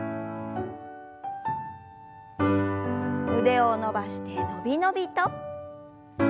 腕を伸ばしてのびのびと。